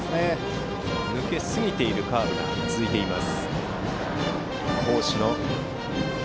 抜けすぎているカーブが続いています。